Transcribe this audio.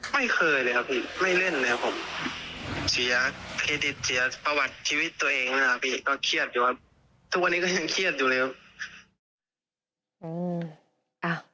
ไม่เคยเลยครับพี่ไม่เล่นเลยครับผมเสียเครดิตเสียประวัติชีวิตตัวเองนะครับพี่ก็เครียดอยู่ครับทุกวันนี้ก็ยังเครียดอยู่เลยครับ